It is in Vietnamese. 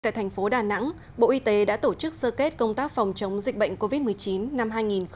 tại thành phố đà nẵng bộ y tế đã tổ chức sơ kết công tác phòng chống dịch bệnh covid một mươi chín năm hai nghìn hai mươi